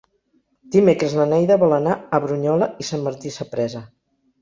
Dimecres na Neida vol anar a Brunyola i Sant Martí Sapresa.